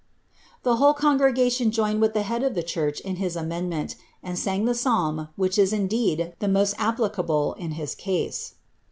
' The whole congregation joined with the Head of the church in his amendment, and sang the psalm which was indeed the most applicable to his case.